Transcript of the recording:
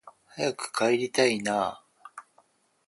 早く帰りたいなあ